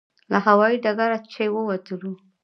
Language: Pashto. له هوایي ډګره چې ووتلو.